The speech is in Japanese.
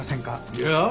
いや。